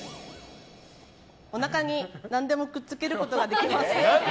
おなかに何でもくっつけることができます。